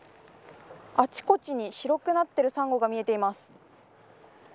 あちこちに、白くなっているサンゴが見えます。